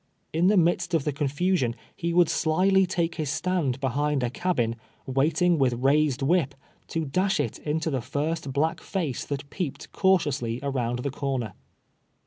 In the midst of the confusion he would slily take his stand behind a cabin, waiting with rais ed whip, to dash it into the first black face that peep ed cautiously around the corner.